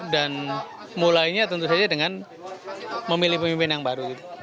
dan mulainya tentu saja dengan memilih pemimpin yang baru